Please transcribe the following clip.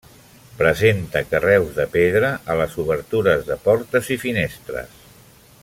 Presenta carreus de pedra a les obertures de portes i finestres.